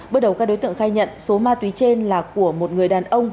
bước đầu các đối tượng khai nhận số ma túy trên là của một người đàn ông